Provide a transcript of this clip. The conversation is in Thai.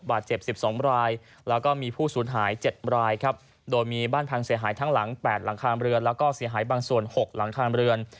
บาดเจ็บ๑๒รายแล้วก็มีผู้สูญหาย๗รายครับโดยมีบ้านพังเสียหายทั้งหลัง๘หลังคาเรือนแล้วก็เสียหายบางส่วน๖หลังคาเรือน